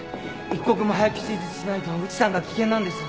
一刻も早く手術しないと内さんが危険なんです。